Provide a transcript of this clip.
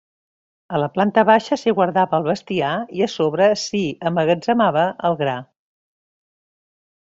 A la planta baixa s'hi guardava el bestiar i a sobre s'hi emmagatzemava el gra.